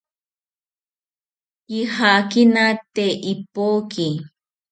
Kijakina tee ipoki